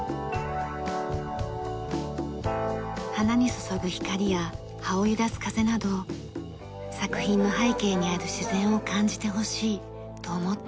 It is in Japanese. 花に注ぐ光や葉を揺らす風など作品の背景にある自然を感じてほしいと思っています。